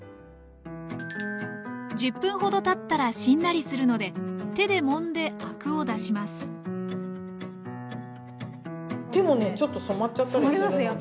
１０分ほどたったらしんなりするので手でもんでアクを出します手もねちょっと染まっちゃったりするので。